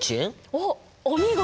おっお見事！